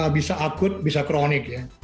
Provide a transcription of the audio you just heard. bisa akut bisa kronik ya